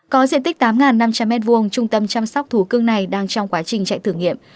có diện tích tám năm trăm linh m hai trung tâm chăm sóc thú cưng này đang trong quá trình chạy thử nghiệm